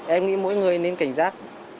em nghĩ mỗi người nên cảnh giác